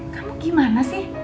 kamu gimana sih